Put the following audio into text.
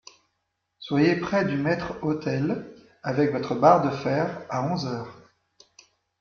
Soyez près du maître-autel avec votre barre de fer à onze heures.